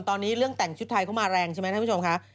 ตอนนี้เรื่องแต่งชุดไทยเข้ามาแรงใช่ไหมท่านผู้ชมค่ะ